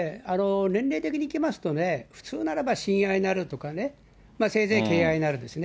年齢的にいきますとね、普通ならば親愛なるとかね、せいぜい敬愛なるですね。